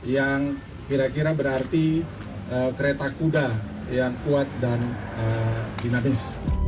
yang kira kira berarti kereta kuda yang kuat dan dinamis